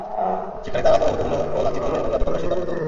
সেখানে তারা পরাভূত হল ও লাঞ্ছিত হল এবং জাদুকররা সিজদাবনত হল।